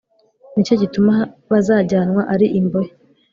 Ni cyo gituma bazajyanwa ari imbohe